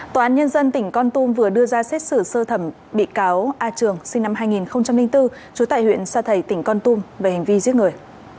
tòa án nhân dân tỉnh con tum vừa đưa ra xét xử sơ thẩm bị cáo a trường sinh năm hai nghìn bốn trú tại huyện sa thầy tỉnh con tum về hành vi giết người